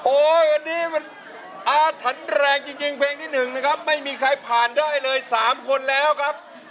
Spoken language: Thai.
โอ้ยอันนี้มันอาถันแรงจริงเพลงที่๑ไม่มีใครผ่านได้เลย๓คนแล้วครับ